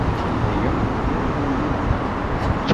Aya iḍurr arraw-nteɣ.